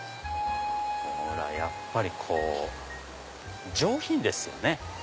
ほらやっぱり上品ですよね。